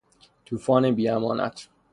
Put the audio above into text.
توفان بی امان